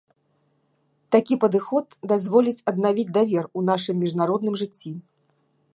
Такі падыход дазволіць аднавіць давер у нашым міжнародным жыцці.